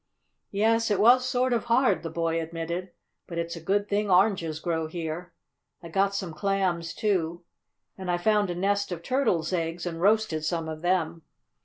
"Yes, it was sort of hard," the boy admitted. "But it's a good thing oranges grow here. I got some clams, too, and I found a nest of turtle's eggs, and roasted some of them.